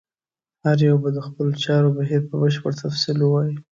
هر یو به د خپلو چارو بهیر په بشپړ تفصیل ووایي.